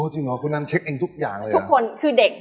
จริงเหรอคุณนั้นเช็คเองทุกอย่างเลยทุกคนคือเด็ก